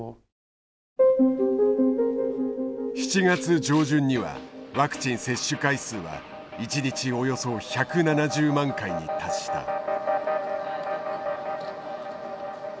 ７月上旬にはワクチン接種回数は一日およそ１７０万回に達した。